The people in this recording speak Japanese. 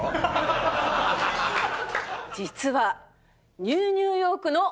実は。